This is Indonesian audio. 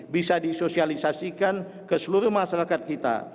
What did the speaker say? bisa disosialisasikan ke seluruh masyarakat kita